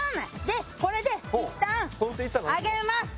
でこれでいったん揚げます。